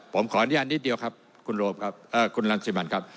ผมขออนุญาตนิดเดียวครับคุณรันสิมันครับ